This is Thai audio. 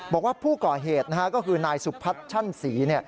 บอกว่าผู้ก่อเหตุก็คือนายสุพัฒน์ชั่นศรี